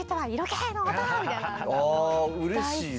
ああうれしいな。